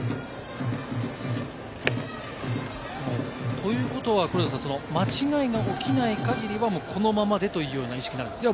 ということは黒田さん、間違いが起きない限りは、このままでというような認識なんですか？